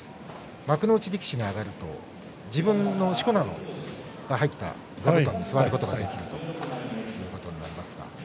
幕内力士に上がると自分のしこ名が入った座布団に座ることができるということになります。